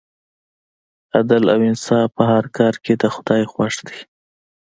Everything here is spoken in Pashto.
عدل او انصاف په هر کار کې د خدای خوښ دی.